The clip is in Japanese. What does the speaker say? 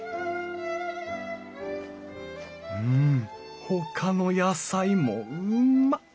うんほかの野菜もうんま！